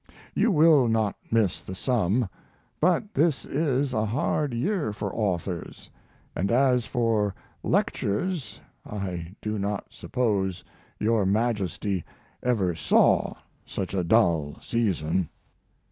You will not miss the sum, but this is a hard year for authors, and as for lectures I do not suppose your Majesty ever saw such a dull season.